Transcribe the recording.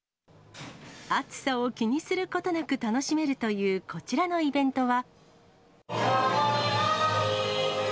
暑さを気にすることなく楽しめるというこちらのイベントは。